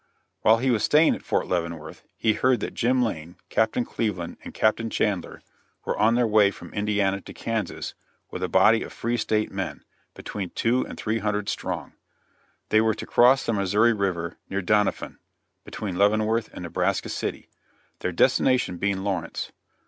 While he was staying at Fort Leavenworth, he heard that Jim Lane, Captain Cleveland and Captain Chandler were on their way from Indiana to Kansas with a body of Free State men, between two and three hundred strong. They were to cross the Missouri river near Doniphan, between Leavenworth and Nebraska City; their destination being Lawrence.